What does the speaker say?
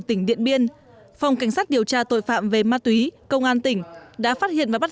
tỉnh điện biên phòng cảnh sát điều tra tội phạm về ma túy công an tỉnh đã phát hiện và bắt